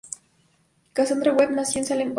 Cassandra Webb nació en Salem, Oregón.